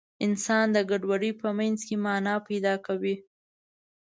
انسان د ګډوډۍ په منځ کې مانا پیدا کوي.